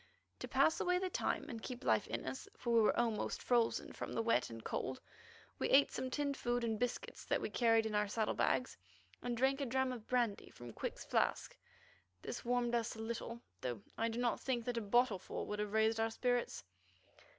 To pass away the time and keep life in us, for we were almost frozen with the wet and cold, we ate some tinned food and biscuits that we carried in our saddle bags, and drank a dram of brandy from Quick's flask. This warmed us a little, though I do not think that a bottleful would have raised our spirits.